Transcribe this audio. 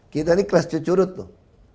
kita ini kelas cucurut loh